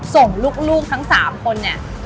ส่งลูกทั้ง๓คนเนี่ย